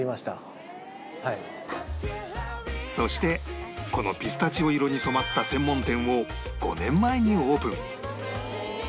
そしてこのピスタチオ色に染まった専門店を５年前にオープン